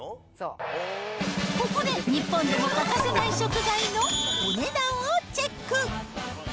ここで日本でも欠かせない食材のお値段をチェック。